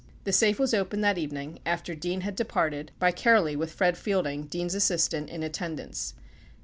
96 The safe was opened that evening, after Dean had departed, by Kehrli with Fred Fielding, Dean's assistant, in attendance.